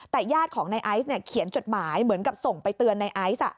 แต่ญาติของในไอซ์เขียนจดหมายเหมือนกับส่งไปเตือนในไอซ์